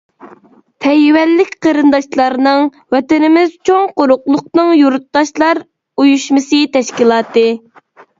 تەيۋەنلىك قېرىنداشلارنىڭ ۋەتىنىمىز چوڭ قۇرۇقلۇقىنىڭ يۇرتداشلار ئۇيۇشمىسى تەشكىلاتى.